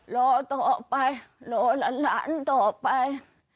รอต่อไปรอหลานต่อไป